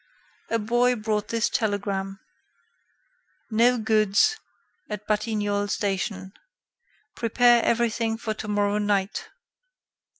A boy brought this telegram: "No goods at Batignolles station. Prepare everything for tomorrow night.